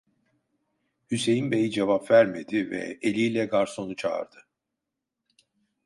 Hüseyin bey cevap vermedi ve eliyle garsonu çağırdı.